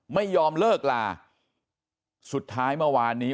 ไม่ยอมเลิกลาสุดท้ายเมื่อวานนี้